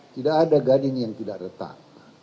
tidak ada gading yang tidak retak